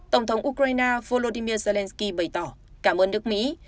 tổng thống ukraine volodymyr zelenskyy bày tỏ cảm ơn nước mỹ